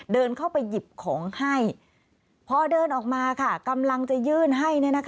เดินเข้าไปหยิบของให้พอเดินออกมากำลังจะยื่นให้